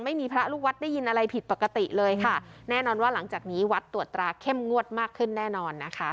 ไม่มีพระลูกวัดได้ยินอะไรผิดปกติเลยค่ะแน่นอนว่าหลังจากนี้วัดตรวจตราเข้มงวดมากขึ้นแน่นอนนะคะ